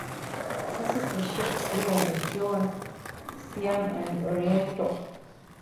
Her sister ships were the "John", "Siam" and "Oriental".